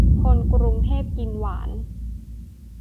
คนกรุงเทพกินหวาน